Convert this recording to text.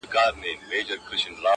تر ابده له دې ښاره سو بېزاره.!